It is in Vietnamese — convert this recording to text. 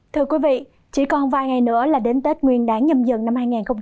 thưa quý vị chỉ còn vài ngày nữa là đến tết nguyên đáng nhâm dần năm hai nghìn hai mươi bốn